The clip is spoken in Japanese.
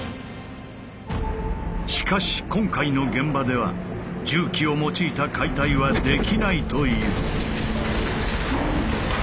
しかし今回の現場では重機を用いた解体はできないという。